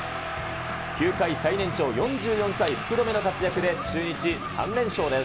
球界最年長、４４歳福留の活躍で、中日３連勝です。